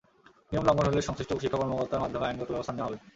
নিয়ম লঙ্ঘন হলে সংশ্লিষ্ট শিক্ষা কর্মকর্তার মাধ্যমে আইনগত ব্যবস্থা নেওয়া হবে।